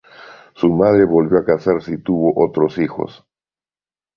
Su madre volvió a casarse y tuvo otros hijos.